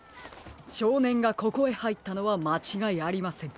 しょうねんがここへはいったのはまちがいありません。